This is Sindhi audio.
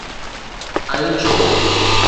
۽ ڇو؟